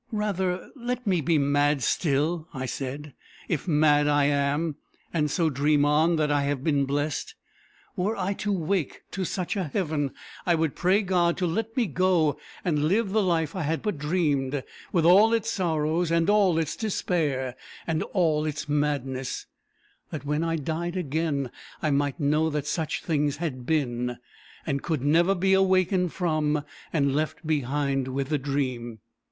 "Rather let me be mad still," I said, "if mad I am; and so dream on that I have been blessed. Were I to wake to such a heaven, I would pray God to let me go and live the life I had but dreamed, with all its sorrows, and all its despair, and all its madness, that when I died again, I might know that such things had been, and could never be awaked from, and left behind with the dream."